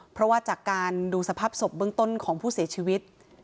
เพราะว่าจากการดูสภาพศพเบื้องต้นของผู้เสียชีวิต